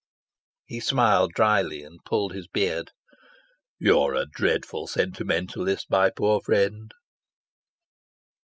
He smiled dryly and pulled his beard. "You are a dreadful sentimentalist, my poor friend."